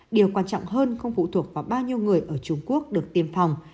điều quan trọng hơn không phụ thuộc vào bao nhiêu người ở trung quốc được tiêm phòng